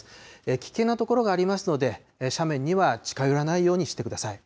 危険な所がありますので、斜面には近寄らないようにしてください。